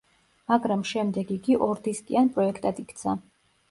მაგრამ შემდეგ იგი ორდისკიან პროექტად იქცა.